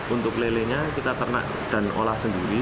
untuk lelenya kita ternak dan olah sendiri